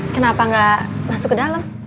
kenapa nggak masuk ke dalam